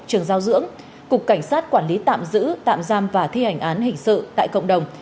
trường giao dưỡng cục cảnh sát quản lý tạm giữ tạm giam và thi hành án hình sự tại cộng đồng